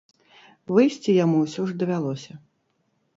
Выйсці яму ўсё ж давялося.